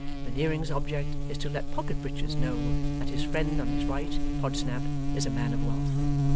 Veneering's object is to let Pocket Breaches know that his friend on his right (Podsnap) is a man of wealth.